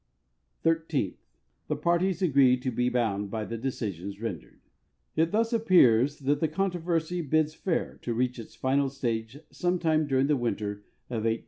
Thirteenth. The parties agree to be l)Ound l)y the decisions rendered. It thus appears that the controversy bids fair to reach its final stage sometime during the winter of 1898 '99.